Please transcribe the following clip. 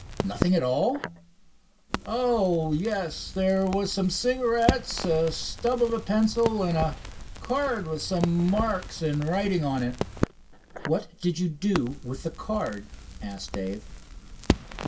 "Nothing at all?" "Oh, yes, there was some cigarettes, a stub of a pencil and a card with some marks and writing, on it." "What did you do with the card?" asked Dave.